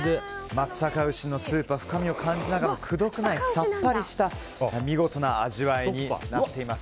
松阪牛のスープ深みがありながらくどくない、さっぱりした見事な味わいになっています。